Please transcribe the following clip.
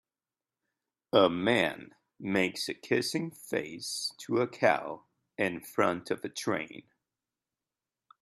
A man makes a kissing face to a cow in front of a train.